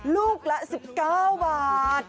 ลูกละ๑๙บาท